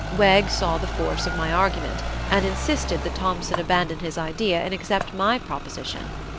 Wegg saw the force of my argument, and insisted that Thompson abandon his idea and accept my proposition.